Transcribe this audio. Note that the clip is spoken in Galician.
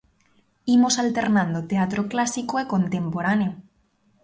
Imos alternando teatro clásico e contemporáneo.